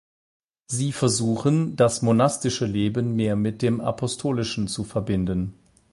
Sie versuchen, das monastische Leben mehr mit dem apostolischen zu verbinden.